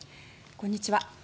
こんにちは。